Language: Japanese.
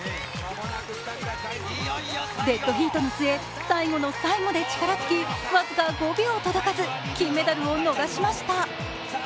デッドヒートの末、最後の最後で力尽き、僅か５秒届かず金メダルを逃しました。